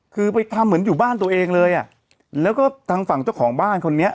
คือไปทำเหมือนอยู่บ้านตัวเองเลยอ่ะแล้วก็ทางฝั่งเจ้าของบ้านคนนี้